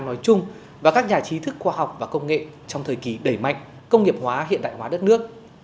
nói chung và các nhà trí thức khoa học và công nghệ trong thời kỳ đẩy mạnh công nghiệp hóa hiện đại hóa đất nước